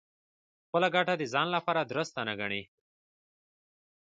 خپله ګټه د ځان لپاره دُرسته نه ګڼي.